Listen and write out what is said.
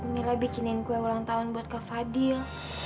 mila bikinin kue ulang tahun buat kak fadil